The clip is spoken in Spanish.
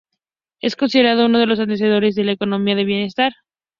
Es considerado uno de los antecesores de la economía del bienestar.